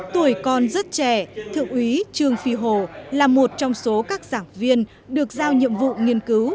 tuổi con rất trẻ thượng úy trương phi hồ là một trong số các giảng viên được giao nhiệm vụ nghiên cứu